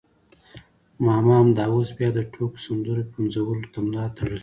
ماما همدا اوس بیا د ټوکو سندرو پنځولو ته ملا تړلې.